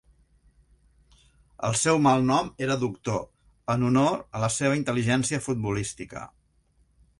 El seu malnom era "Doctor", en honor a la seva intel·ligència futbolística.